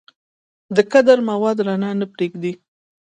کدر مواد رڼا نه پرېږدي.